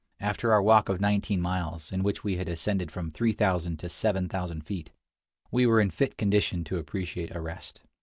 After our walk of nineteen miles, in which we had ascended from 3000 to 7000 feet, we were in fit condition to appreciate a rest.